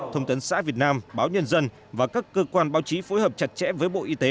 thông tấn xã việt nam báo nhân dân và các cơ quan báo chí phối hợp chặt chẽ với bộ y tế